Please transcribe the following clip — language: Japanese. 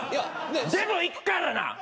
でもいくからな。